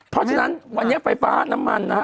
เพราะฉะนั้นวันนี้ไฟฟ้าน้ำมันนะฮะ